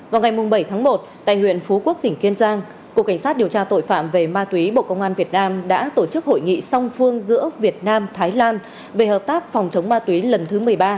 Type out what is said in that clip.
vào ngày bảy tháng một tại huyện phú quốc tỉnh kiên giang cục cảnh sát điều tra tội phạm về ma túy bộ công an việt nam đã tổ chức hội nghị song phương giữa việt nam thái lan về hợp tác phòng chống ma túy lần thứ một mươi ba